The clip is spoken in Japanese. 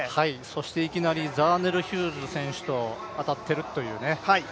そしていきなりザーネル・ヒューズ選手と当たっているというね。